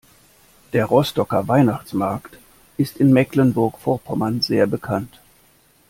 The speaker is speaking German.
Der Rostocker Weihnachtsmarkt ist in Mecklenburg-Vorpommern sehr bekannt.